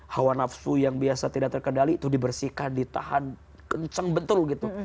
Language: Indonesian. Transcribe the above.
hawa nafsu yang biasa tidak terkendali itu dibersihkan ditahan kenceng betul gitu